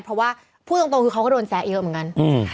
เพราะว่าพูดตรงคือเขาก็โดนแซะเยอะเหมือนกัน